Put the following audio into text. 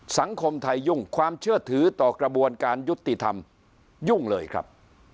สังคมไทยยุ่งความเชื่อถือต่อกระบวนการยุติธรรมยุ่งเลยครับ